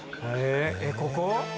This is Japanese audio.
えっここ？